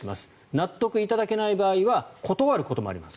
納得いただけない場合は断ることもあります